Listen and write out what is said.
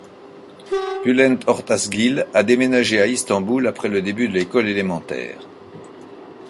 Bülent Ortaçgil a déménagé à Istanbul après le début de l'école élémentaire.